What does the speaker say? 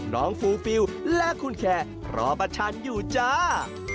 น้องฟูฟิลและคุณแคลรอบัตรฉันอยู่จ้า